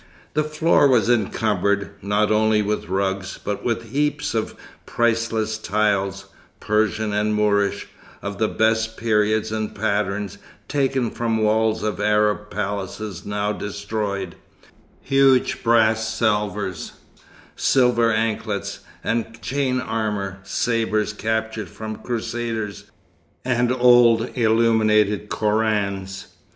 The floor was encumbered, not only with rugs, but with heaps of priceless tiles, Persian and Moorish, of the best periods and patterns, taken from the walls of Arab palaces now destroyed; huge brass salvers; silver anklets, and chain armour, sabres captured from Crusaders, and old illuminated Korans.